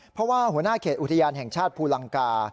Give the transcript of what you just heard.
เพราะว่าหัวหน้าเขตอุทยานแห่งชาติภูลังกา